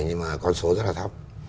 nhưng mà con số rất là thấp